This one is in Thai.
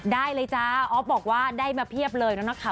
ได้เลยจ้าออฟบอกว่าได้มาเพียบเลยแล้วนะคะ